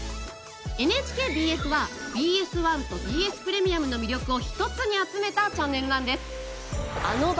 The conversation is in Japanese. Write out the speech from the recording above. ＮＨＫＢＳはＢＳ１とＢＳプレミアムの魅力を一つに集めたチャンネルなんです。